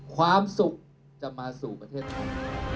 ความสุขจะมาสู่ประเทศไทย